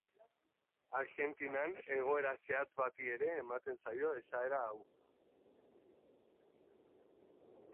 Argentinan, egoera zehatz bati ere ematen zaio esaera hau.